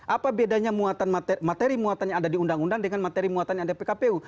apa bedanya materi muatan yang ada di undang undang dengan materi muatan yang ada pkpu